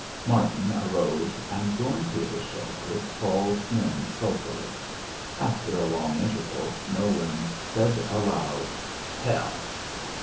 Martin arose and, going to his shelter, crawled in sulkily. After a long interval Nolan said aloud, "Hell!"